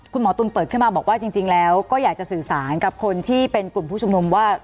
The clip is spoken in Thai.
คุณหมอตุ๋นเปิดขึ้นมาบอกว่าจริงแล้วก็อยากจะสื่อสารกับคนที่เป็นกลุ่มผู้ชุมนุมว่า